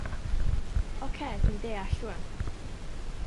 Oce dwi'n deall rŵan.